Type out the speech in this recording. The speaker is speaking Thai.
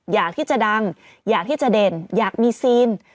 อยากที่จะดังอยากที่จะเด่นอยากมีซีน